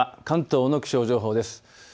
関東の気象情報です。